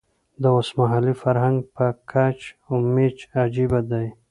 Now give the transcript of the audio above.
د اوسمهالي فرهنګ په کچ و میچ عجیبه دی.